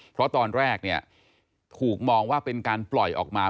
เพราะตอนแรกเนี่ยถูกมองว่าเป็นการปล่อยออกมา